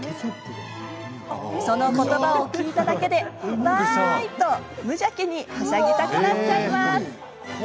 そのことばを聞いただけで「うまーい」と無邪気にはしゃぎたくなっちゃいます。